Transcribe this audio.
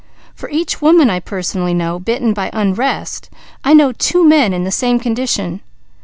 For each woman I personally know, bitten by 'unrest,' I know two men in the same condition.